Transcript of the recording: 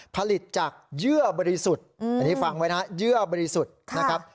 ผลิตจากเยื่อบริสุทธิ์อันนี้ฟังไว้นะเยื่อบริสุทธิ์นะครับ